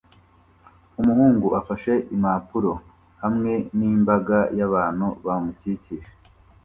Umuhungu afashe impapuro hamwe n'imbaga y'abantu bamukikije